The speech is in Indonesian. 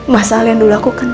mas al yang dulu aku kenal